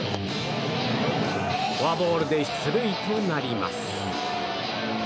フォアボールで出塁となります。